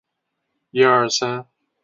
其为永乐二十二年封。